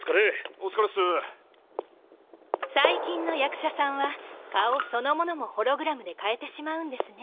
・・お疲れっす・最近の役者さんは顔そのものもホログラムで変えてしまうんですね。